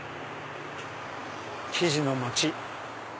生地の街。